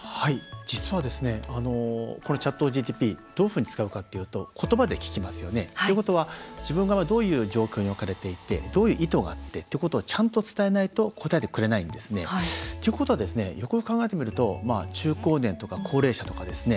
実はＣｈａｔＧＰＴどういうふうに使うといいますと言葉で聞きますよね。ということは、自分がどういう状況に置かれていてどういう意図があってっていうことをちゃんと伝えないと答えてくれないんですね。ということはよくよく考えてみると、中高年や高齢者とかですね